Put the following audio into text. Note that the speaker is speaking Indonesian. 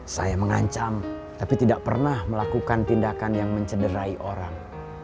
saya mengancam tapi tidak pernah melakukan tindakan yang mencederai orang